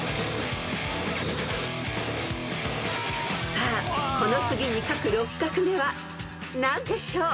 ［さあこの次に書く６画目は何でしょう］